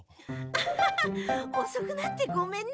アハハおそくなってごめんね。